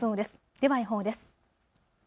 では予報です。